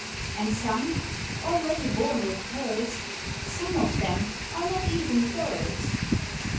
And some, already born with Curls, Some of them are not even Girls!